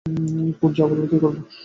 Court যা বলবে তাই করব।